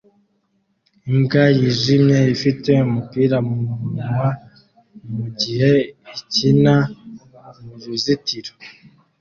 Imbwa yijimye ifite umupira mumunwa mugihe ikina muruzitiro